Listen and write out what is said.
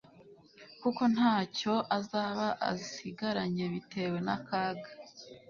kuko nta cyo azaba asigaranye bitewe n'akaga